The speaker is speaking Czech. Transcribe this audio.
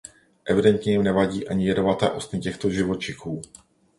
Evidentně jim nevadí ani jedovaté ostny těchto živočichů.